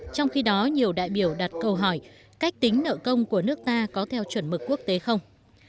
trong khi đó nhiều đại biểu đặt câu hỏi cách tính nợ công của nước ta có theo chuẩn mực quốc tế không